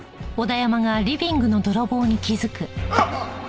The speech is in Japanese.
あっ！